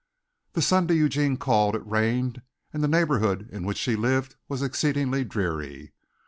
The Sunday Eugene called, it rained and the neighborhood in which she lived was exceedingly dreary.